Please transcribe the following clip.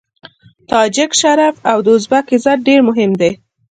د تاجک شرف او د ازبک عزت ډېر مهم دی.